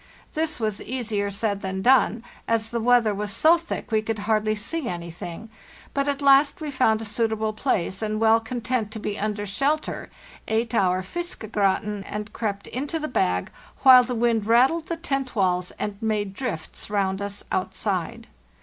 This was easier said than done, as the weather was so thick we could hardly see anything; but at last we found a suitable place, and, well content to be under shelter, ate our 'fiskegratin,' and crept into the bag, while the wind rattled the tent walls and made drifts round us outside.